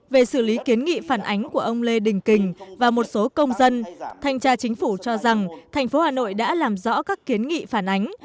về xử lý kiến nghị phản ánh của ông lê đình kình và một số công dân thanh tra chính phủ cho rằng thành phố hà nội đã làm rõ các kiến nghị phản ánh